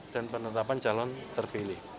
dan penetapan calon terpilih